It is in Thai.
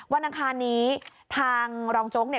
วันอันทางนี้ทางรองโจ๊กเนี่ย